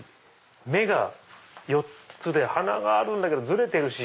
目が４つで鼻があるんだけどずれてるし。